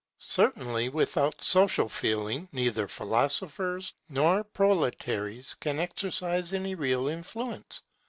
Certainly without Social Feeling, neither philosophers nor proletaries can exercise any real influence.